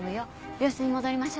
病室に戻りましょうね。